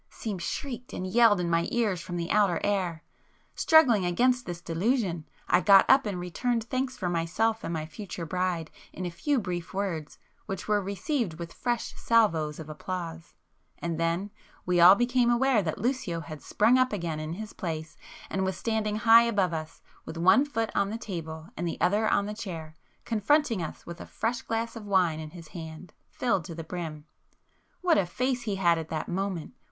seemed shrieked and yelled in my ears from the outer air. Struggling against this delusion, I got up and returned thanks for myself and my future bride in a few brief words which were received with fresh salvos of applause,—and then we all became aware that Lucio had sprung up again in his place, and was standing high above us all, with one foot on the table and the other on the chair, confronting us with a fresh glass of wine in his hand, filled to the brim. What a face he had at that moment!